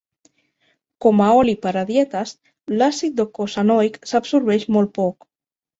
Com a oli per a dietes, l'àcid docosanoic s'absorbeix molt poc.